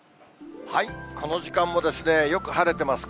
この時間もよく晴れてます。